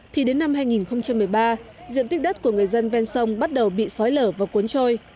thì đến năm hai nghìn một mươi ba diện tích đất của người dân ven sông bắt đầu bị sói lở và cuốn trôi